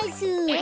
え？